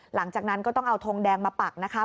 หลังจากนั้นก็ต้องเอาทงแดงมาปักนะคะ